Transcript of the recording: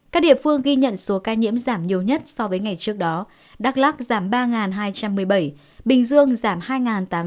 các địa phương ghi nhận số ca nhiễm giảm nhiều nhất so với ngày trước đó đắk lắc giảm ba hai trăm một mươi bảy bình dương giảm hai tám trăm bảy mươi tám hà nội giảm một hai trăm linh sáu